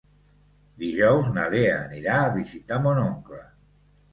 Dijous na Lea anirà a visitar mon oncle.